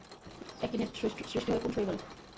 Akinete সৃষ্টি হয় কোন শৈবালে?